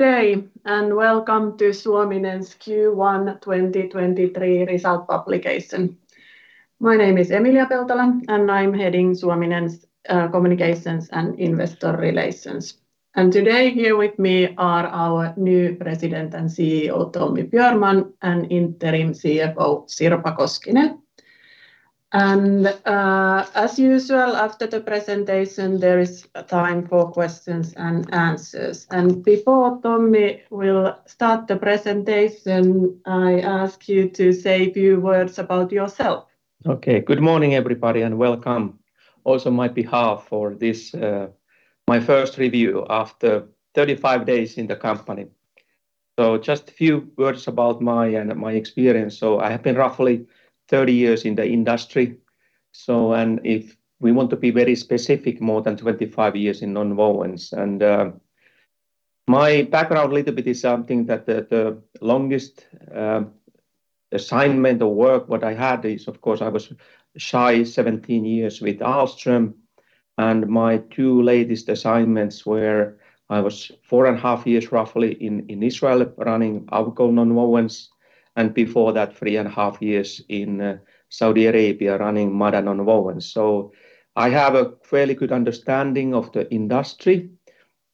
Good day, and welcome to Suominen's Q1 2023 result publication. My name is Emilia Peltola, and I'm heading Suominen's communications and investor relations. Today, here with me are our new President and CEO, Tommi Björnman, and interim CFO, Sirpa Koskinen. As usual, after the presentation, there is time for questions and answers. Before Tommi will start the presentation, I ask you to say a few words about yourself. Okay. Good morning, everybody, and welcome also on my behalf for this, my first review after 35 days in the company. Just a few words about my and my experience. I have been roughly 30 years in the industry. If we want to be very specific, more than 25 years in nonwovens. My background a little bit is something that, the longest assignment or work what I had is, of course, I was shy 17 years with Ahlstrom. My two latest assignments were I was four and a half years roughly in Israel running Avgol Nonwovens, and before that, three and a half years in Saudi Arabia running Mada Nonwovens. I have a fairly good understanding of the industry.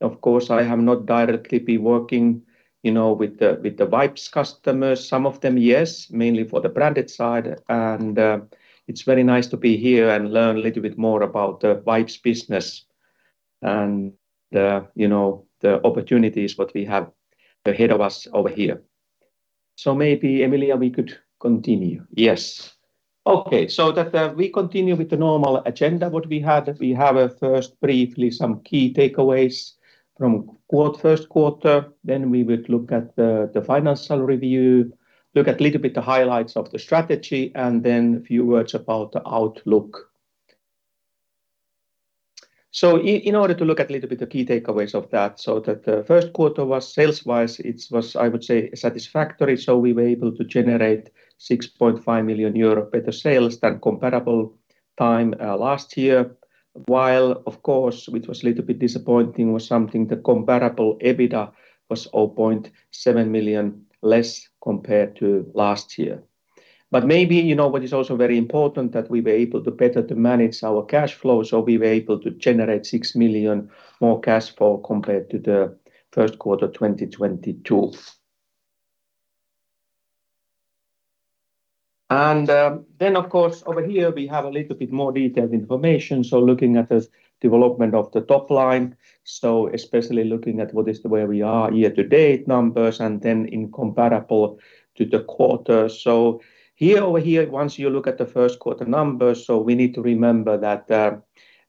Of course, I have not directly been working, you know, with the, with the wipes customers. Some of them, yes, mainly for the branded side. It's very nice to be here and learn a little bit more about the wipes business and the, you know, the opportunities what we have ahead of us over here. Maybe, Emilia, we could continue. Yes. Okay. That, we continue with the normal agenda what we had. We have a first briefly some key takeaways from first quarter, then we will look at the financial review, look at a little bit the highlights of the strategy, and then a few words about the outlook. In order to look at a little bit the key takeaways of that, the first quarter was sales-wise, it was, I would say, satisfactory. We were able to generate 6.5 million euro better sales than comparable time last year. While, of course, it was a little bit disappointing was something the comparable EBITDA was 0.7 million less compared to last year. Maybe, you know, what is also very important that we were able to better to manage our cash flow, so we were able to generate 6 million more cash flow compared to the first quarter 2022. Of course, over here we have a little bit more detailed information. Looking at the development of the top line, so especially looking at what is the way we are year-to-date numbers and then in comparable to the quarter. Here, over here, once you look at the first quarter numbers, so we need to remember that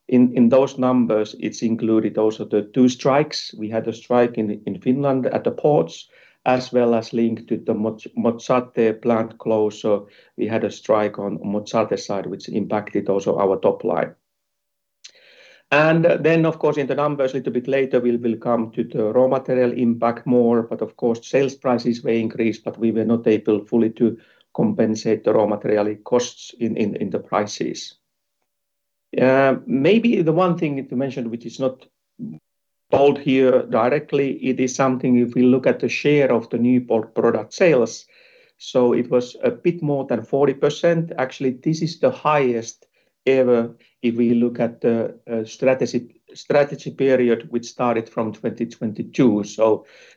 in those numbers, it's included also the 2 strikes. We had a strike in Finland at the ports, as well as linked to the Mozzate plant close, we had a strike on Mozzate's side, which impacted also our top line. Of course, in the numbers a little bit later, we will come to the raw material impact more. Of course, sales prices were increased, but we were not able fully to compensate the raw material costs in the prices. Maybe the one thing to mention which is not bold here directly, it is something if we look at the share of the new product sales. It was a bit more than 40%. This is the highest ever if we look at the strategy period, which started from 2022.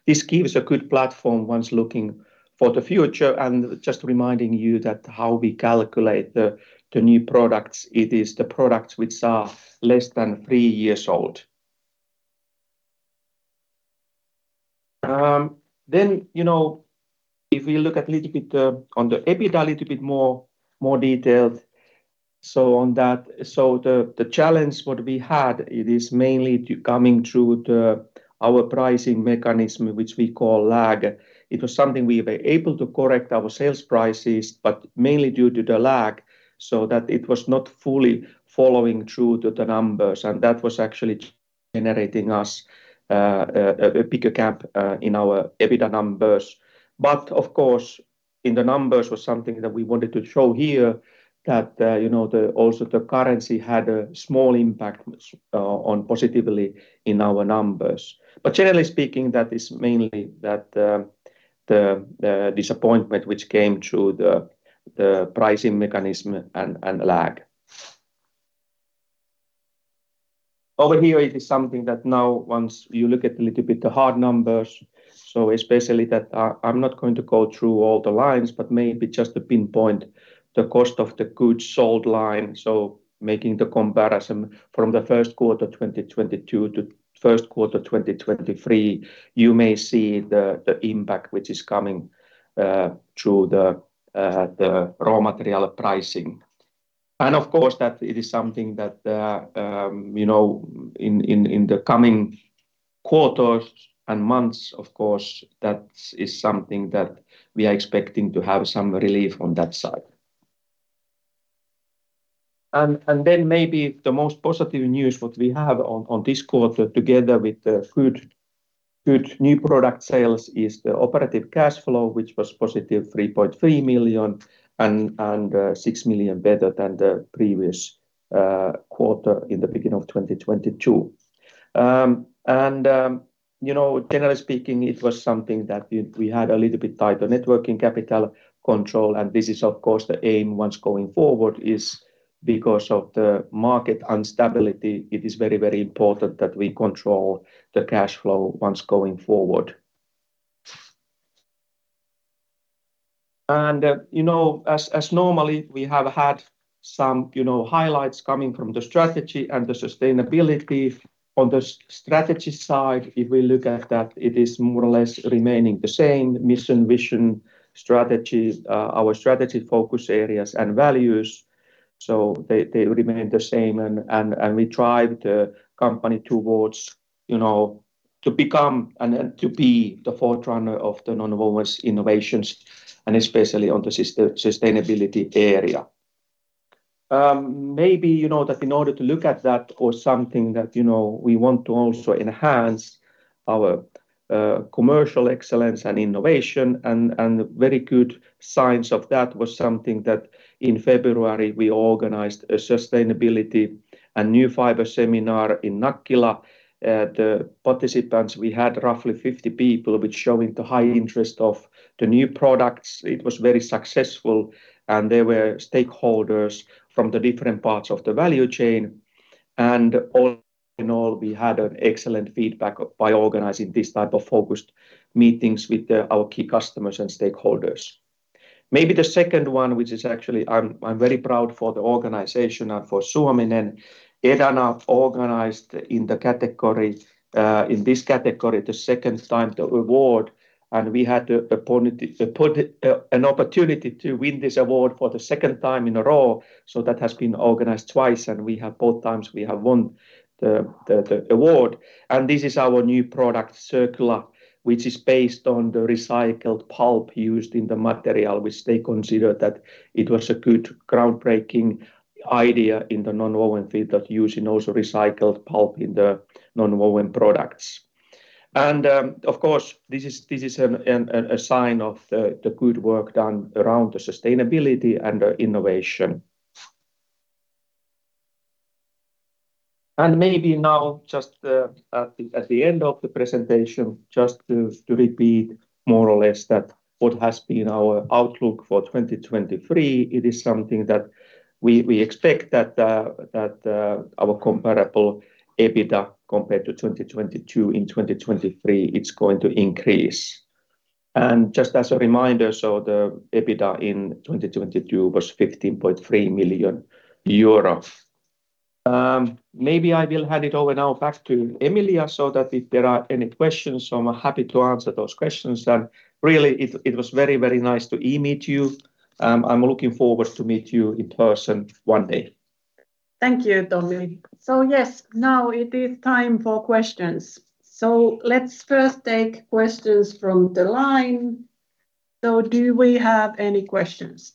This gives a good platform once looking for the future. Just reminding you that how we calculate the new products, it is the products which are less than three years old. You know, if we look at a little bit the, on the EBITDA a little bit more detailed, so on that. The challenge what we had, it is mainly to coming through the, our pricing mechanism, which we call lag. It was something we were able to correct our sales prices, but mainly due to the lag, so that it was not fully following through to the numbers. That was actually generating us a bigger gap in our EBITDA numbers. Of course, in the numbers was something that we wanted to show here that, you know, also the currency had a small impact on positively in our numbers. Generally speaking, that is mainly that, the disappointment which came through the pricing mechanism and lag. Over here, it is something that now once you look at a little bit the hard numbers, especially that I'm not going to go through all the lines, but maybe just to pinpoint the cost of the goods sold line. Making the comparison from the first quarter 2022 to first quarter 2023, you may see the impact which is coming through the raw material pricing. Of course, that it is something that, you know, in, in the coming quarters and months, of course, that is something that we are expecting to have some relief on that side. Then maybe the most positive news what we have on this quarter together with the good new product sales is the operative cash flow, which was positive 3.3 million and 6 million better than the previous quarter in the beginning of 2022. You know, generally speaking, it was something that we had a little bit tighter networking capital control. This is of course the aim once going forward is because of the market instability, it is very, very important that we control the cash flow once going forward. You know, as normally, we have had some, you know, highlights coming from the strategy and the sustainability. On the strategy side, if we look at that, it is more or less remaining the same mission, vision, strategies, our strategy focus areas and values. They remain the same and we drive the company towards, you know, to become and to be the forerunner of the nonwovens innovations, and especially on the sustainability area. Maybe, you know, that in order to look at that or something that, you know, we want to also enhance our commercial excellence and innovation and very good signs of that was something that in February we organized a sustainability and new fiber seminar in Nakkila. The participants, we had roughly 50 people, which showing the high interest of the new products. It was very successful, and there were stakeholders from the different parts of the value chain. All in all, we had an excellent feedback by organizing this type of focused meetings with our key customers and stakeholders. Maybe the second one, which is actually I'm very proud for the organization and for Suominen, EDANA organized in the category, in this category the second time the award. We had an opportunity to win this award for the second time in a row. That has been organized twice, and we have both times we have won the award. This is our new product, Circula, which is based on the recycled pulp used in the material, which they consider that it was a good groundbreaking idea in the nonwoven field that using also recycled pulp in the nonwoven products. Of course, this is a sign of the good work done around the sustainability and the innovation. Maybe now just at the end of the presentation, just to repeat more or less that what has been our outlook for 2023, it is something that we expect that our comparable EBITDA compared to 2022 in 2023, it's going to increase. Just as a reminder, the EBITDA in 2022 was 15.3 million euro. Maybe I will hand it over now back to Emilia, that if there are any questions, I'm happy to answer those questions. Really it was very nice to e-meet you. I'm looking forward to meet you in person one day. Thank you, Tommy. Yes, now it is time for questions. Let's first take questions from the line. Do we have any questions?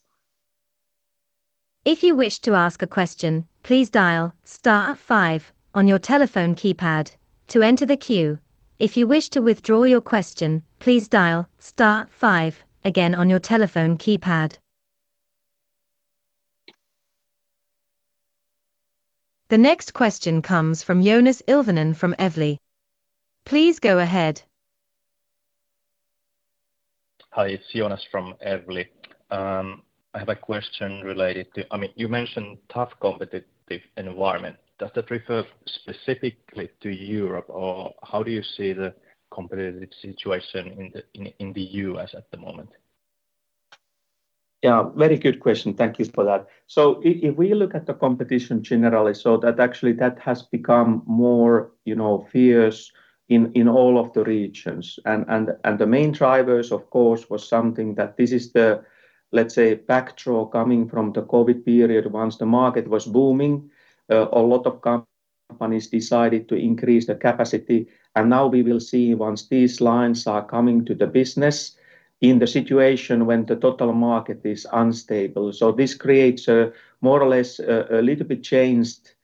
If you wish to ask a question, please dial star five on your telephone keypad to enter the queue. If you wish to withdraw your question, please dial star five again on your telephone keypad. The next question comes from Joonas Ilvonen from Evli. Please go ahead. Hi, it's Joonas from Evli. I have a question related to... I mean, you mentioned tough competitive environment. Does that refer specifically to Europe, or how do you see the competitive situation in the U.S. at the moment? Yeah, very good question. Thank you for that. If we look at the competition generally, so that actually that has become more, you know, fierce in all of the regions. The main drivers of course, was something that this is the, let's say, back draw coming from the COVID period. Once the market was booming, a lot of companies decided to increase the capacity. Now we will see once these lines are coming to the business in the situation when the total market is unstable. This creates a more or less a little bit changed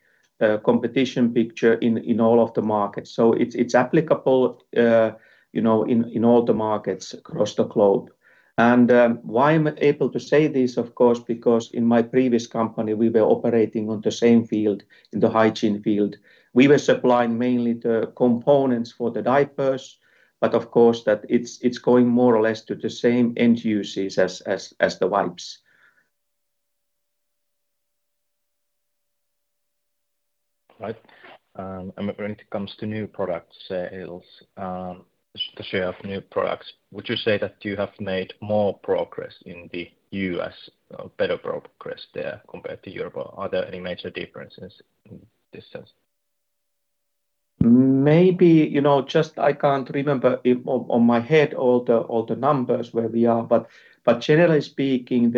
competition picture in all of the markets. It's applicable, you know, in all the markets across the globe. Why I'm able to say this, of course, because in my previous company, we were operating on the same field, in the hygiene field. We were supplying mainly the components for the diapers, but of course that it's going more or less to the same end uses as the wipes. Right. When it comes to new product sales, the share of new products, would you say that you have made more progress in the U.S. or better progress there compared to Europe? Are there any major differences in this sense? Maybe, you know, just I can't remember if on my head all the, all the numbers where we are, but generally speaking,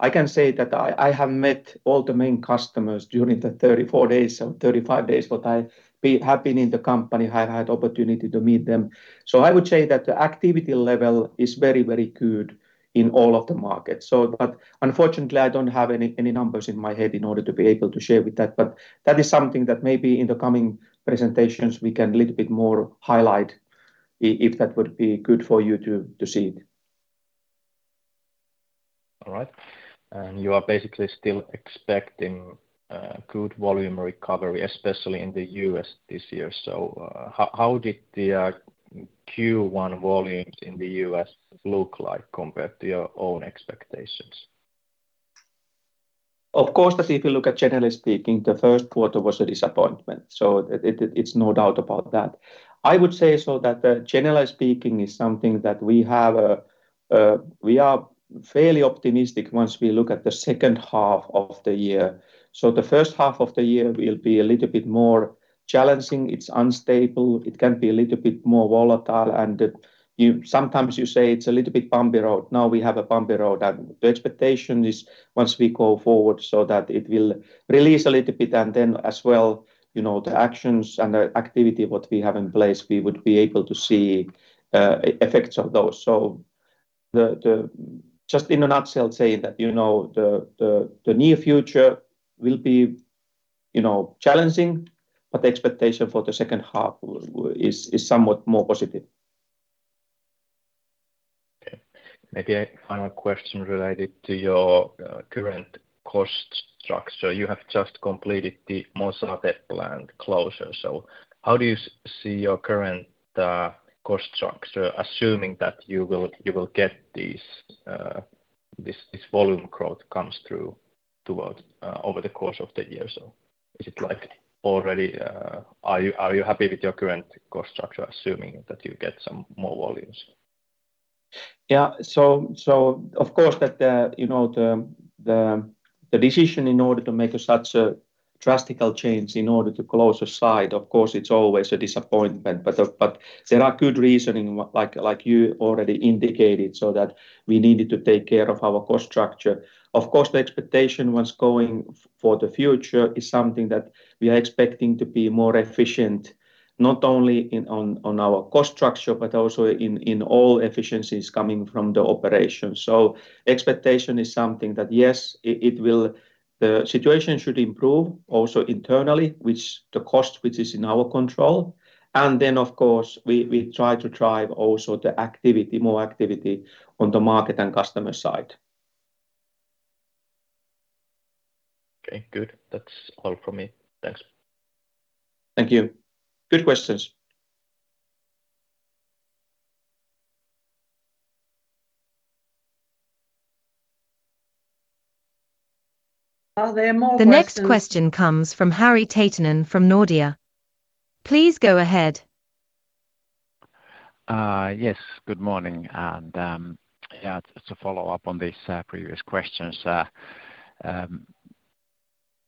I can say that I have met all the main customers during the 34 days or 35 days that I have been in the company, have had opportunity to meet them. I would say that the activity level is very, very good in all of the markets. But unfortunately, I don't have any numbers in my head in order to be able to share with that. But that is something that maybe in the coming presentations we can a little bit more highlight if that would be good for you to see. All right. You are basically still expecting, good volume recovery, especially in the U.S. this year. How did the Q1 volumes in the U.S. look like compared to your own expectations? If you look at generally speaking, the first quarter was a disappointment, it's no doubt about that. I would say generally speaking is something that we have. We are fairly optimistic once we look at the second half of the year. The first half of the year will be a little bit more challenging. It's unstable. It can be a little bit more volatile. Sometimes you say it's a little bit bumpy road. Now we have a bumpy road. The expectation is once we go forward it will release a little bit as well, you know, the actions and the activity of what we have in place, we would be able to see effects of those. Just in a nutshell saying that, you know, the, the near future will be, you know, challenging, but the expectation for the second half is somewhat more positive. Maybe a final question related to your current cost structure. You have just completed the Mozzate plant closure. How do you see your current cost structure, assuming that you will get this volume growth comes through towards over the course of the year or so? Is it like already? Are you happy with your current cost structure, assuming that you get some more volumes? Yeah. Of course that, you know, the decision in order to make such a drastic change in order to close a site, of course, it's always a disappointment. There are good reasoning, like you already indicated, so that we needed to take care of our cost structure. Of course, the expectation what's going for the future is something that we are expecting to be more efficient, not only in our cost structure, but also in all efficiencies coming from the operation. Expectation is something that, yes, it will. The situation should improve also internally, which the cost which is in our control. Of course, we try to drive also more activity on the market and customer side. Okay, good. That's all from me. Thanks. Thank you. Good questions. Are there more questions? The next question comes from Harri Taittonen from Nordea. Please go ahead. Yes. Good morning. Yeah, just a follow-up on these previous questions.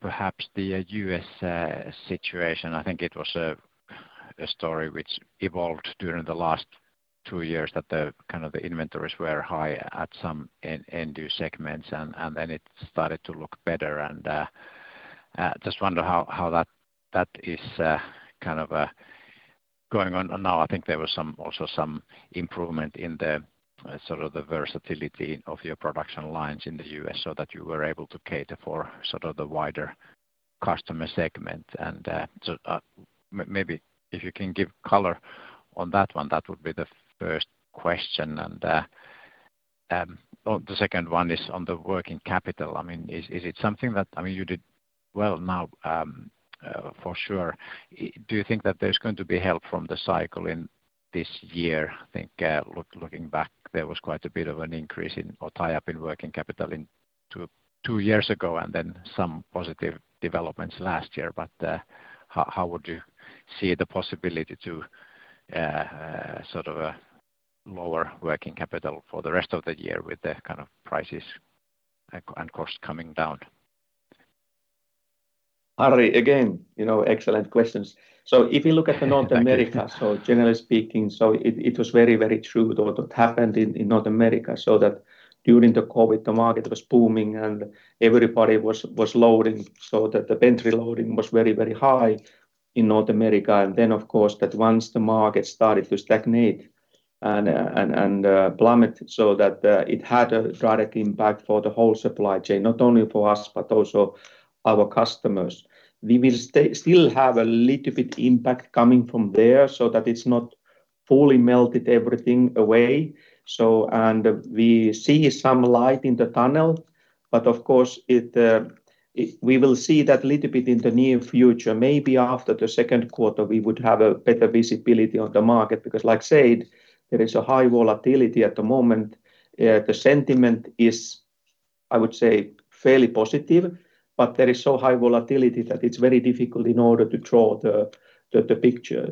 Perhaps the U.S. situation, I think it was a story which evolved during the last two years that the kind of the inventories were high at some end-user segments, and then it started to look better. Just wonder how that is going on. Now I think there was also some improvement in the sort of the versatility of your production lines in the U.S. so that you were able to cater for sort of the wider customer segment. So, maybe if you can give color on that one, that would be the first question. The second one is on the working capital. I mean, is it something that... I mean, you did well now, for sure. Do you think that there's going to be help from the cycle in this year? I think, looking back, there was quite a bit of an increase in or tie-up in working capital in two years ago and then some positive developments last year. How, how would you see the possibility to, sort of, lower working capital for the rest of the year with the kind of prices and cost coming down? Harry, again, you know, excellent questions. If you look at the North America. Thank you. Generally speaking, it was very, very true though what happened in North America. During the COVID, the market was booming and everybody was loading. The pantry loading was very, very high in North America. Of course, once the market started to stagnate and plummet, it had a direct impact for the whole supply chain, not only for us, but also our customers. We still have a little bit impact coming from there. It's not fully melted everything away. We see some light in the tunnel. Of course it. We will see that little bit in the near future. Maybe after the second quarter, we would have a better visibility on the market. Like said, there is a high volatility at the moment. The sentiment is, I would say, fairly positive, but there is so high volatility that it's very difficult in order to draw the, the picture.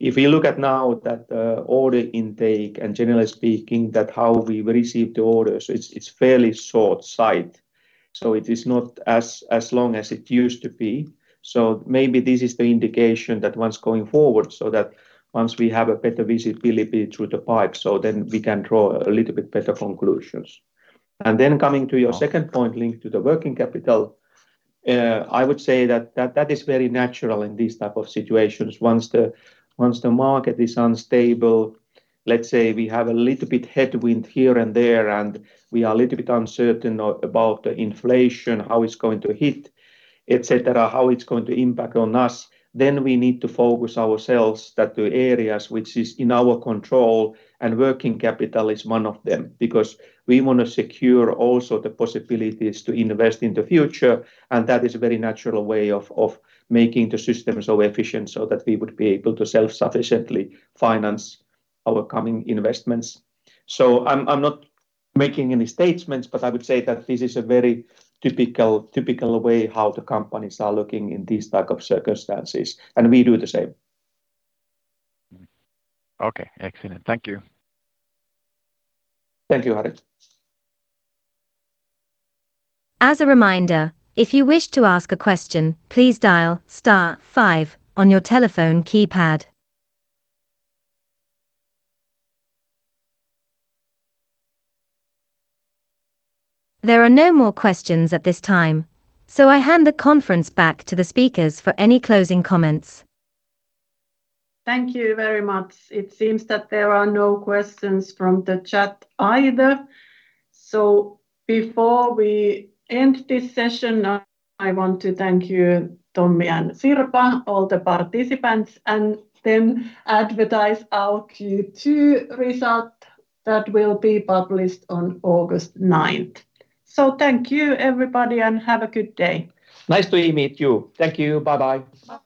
If you look at now that, order intake and generally speaking, that how we receive the orders, it's fairly short sight. It is not as long as it used to be. Maybe this is the indication that once going forward so that once we have a better visibility through the pipe, so then we can draw a little bit better conclusions. Coming to your second point linked to the working capital, I would say that is very natural in these type of situations. Once the market is unstable, let's say we have a little bit headwind here and there, and we are a little bit uncertain about the inflation, how it's going to hit, et cetera, how it's going to impact on us, then we need to focus ourselves that the areas which is in our control and working capital is one of them. Because we wanna secure also the possibilities to invest in the future, and that is a very natural way of making the system so efficient so that we would be able to self-sufficiently finance our coming investments. So I'm not making any statements, but I would say that this is a very typical way how the companies are looking in these type of circumstances, and we do the same. Okay. Excellent. Thank you. Thank you, Harry. As a reminder, if you wish to ask a question, please dial star five on your telephone keypad. There are no more questions at this time, so I hand the conference back to the speakers for any closing comments. Thank you very much. It seems that there are no questions from the chat either. Before we end this session, I want to thank you, Tommy and Sirpa, all the participants, and then advertise our Q2 result that will be published on August 9th. Thank you, everybody, and have a good day. Nice to e-meet you. Thank you. Bye-bye. Bye.